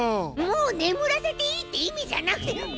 もうねむらせていいっていみじゃなくてもう！